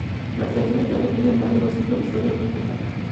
La tradición del teatro tiene más de dos siglos de historia en Rijeka.